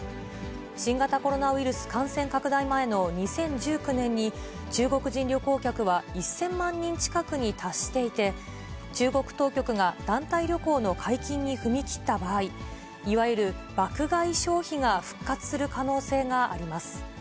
新型コロナウイルス感染拡大前の２０１９年に、中国人旅行客は１０００万人近くに達していて、中国当局が団体旅行の解禁に踏み切った場合、いわゆる爆買い消費が復活する可能性があります。